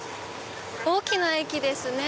大きな駅ですね。